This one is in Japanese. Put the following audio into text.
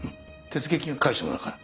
手付金は返してもらうから。